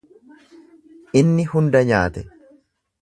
Inni hunda nyaate.